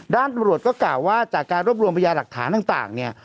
ตำรวจก็กล่าวว่าจากการรวบรวมพยาหลักฐานต่างเนี่ย